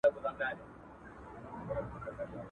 بيا په وينو اوبه کيږي ..